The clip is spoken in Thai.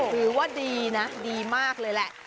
ถือว่าดีนะดีมากเลยแหละ